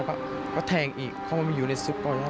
แล้วก็แทงอีกเขามันมาอยู่ในซุปต่ออย่างนี้